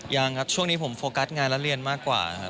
ยังครับช่วงนี้ผมโฟกัสงานและเรียนมากกว่าครับ